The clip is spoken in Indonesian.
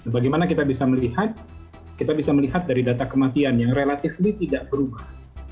bagaimana kita bisa melihat kita bisa melihat dari data kematian yang relatif tidak berubah